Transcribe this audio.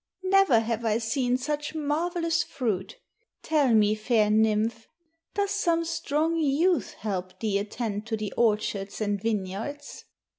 Never have I seen such marvelous fruit. Tell me, fair nymph, does some strong youth help thee attend to the orchards and vineyards?"